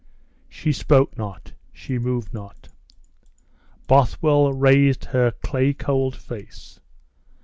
She spoke not, she moved not. Bothwell raised her clay cold face.